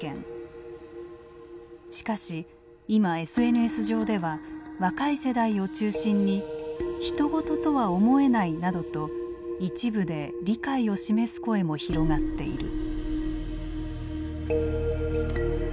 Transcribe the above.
しかし今ＳＮＳ上では若い世代を中心に「ひとごととは思えない」などと一部で理解を示す声も広がっている。